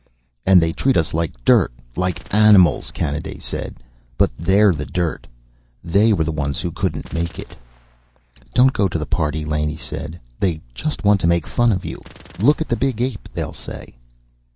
"And they treat us like dirt like animals," Kanaday said. "But they're the dirt. They were the ones who couldn't make it." "Don't go to the party," Laney said. "They just want to make fun of you. Look at the big ape, they'll say."